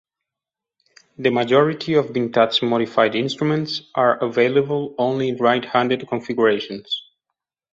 The majority of Vintage Modified instruments are available only in right-handed configurations.